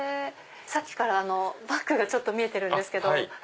さっきからバッグがちょっと見えてるんですけど。